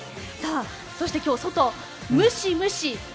そして今日、外、ムシムシ。